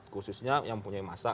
khususnya yang punya masa